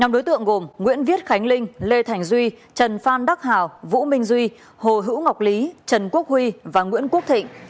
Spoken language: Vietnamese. nhóm đối tượng gồm nguyễn viết khánh linh lê thành duy trần phan đắc hào vũ minh duy hồ hữu ngọc lý trần quốc huy và nguyễn quốc thịnh